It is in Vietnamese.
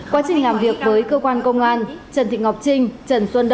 quá trình làm việc với cơ quan công an trần thị ngọc trinh